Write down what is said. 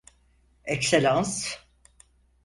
Ekselans.